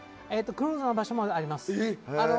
クローズな場所もあります。